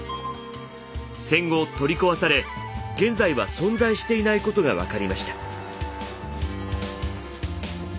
戦後取り壊され現在は存在していないことが分かりました。